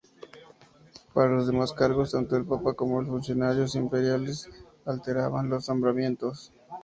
Para los demás cargos, tanto el Papa como los funcionarios imperiales alternaban los nombramientos.